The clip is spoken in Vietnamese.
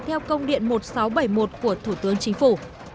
theo công điện một nghìn sáu trăm bảy mươi một của thủ tướng chính phủ